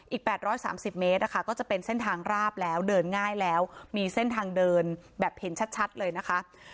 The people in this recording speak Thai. อีก๘๓๐เมตรนะคะก็จะเป็นเส้นทางราบแล้วเดินง่ายแล้วมีเส้นทางเดินแบบเห็นชัดเลยนะคะ